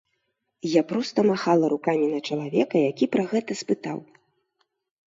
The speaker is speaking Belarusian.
Я проста махала рукамі на чалавека, які пра гэта спытаў.